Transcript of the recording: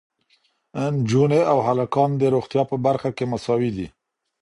نجونې او هلکان د روغتیا په برخه کې مساوي دي.